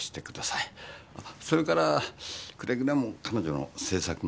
それからくれぐれも彼女の制作の邪魔。